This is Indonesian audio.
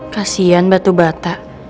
kasian batu bata